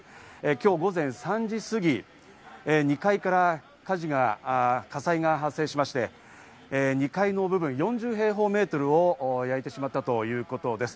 今日午前３時過ぎ、２階から火災が発生しまして、２階の部分、４０平方メートルを焼いてしまったということです。